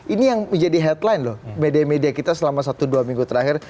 ini yang menjadi headline loh media media kita selama satu dua minggu terakhir